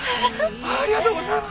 ありがとうございます！